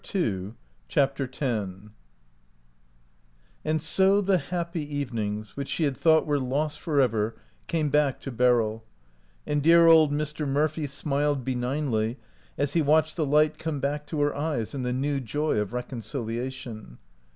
133 CHAPTER X AN D so the happy evenings, which she had f* thought were lost forever, came back to Beryl ; and dear old Mr. Murphy smiled benignly as he watched the light come back to her eyes in the new joy of reconciliation.